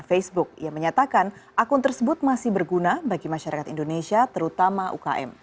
ketua dpr bambang susatyo menyebutkan akun facebook yang menyatakan akun tersebut masih berguna bagi masyarakat indonesia terutama ukm